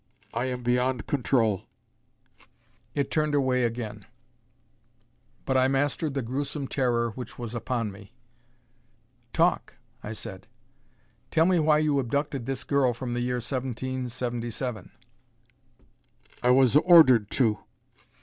I am beyond control." It turned away again; but I mastered the gruesome terror which was upon me. "Talk," I said. "Tell me why you abducted this girl from the year 1777." "I was ordered to."